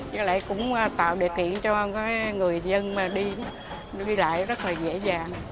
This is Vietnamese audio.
chứ lại cũng tạo điều kiện cho người dân đi lại rất là dễ dàng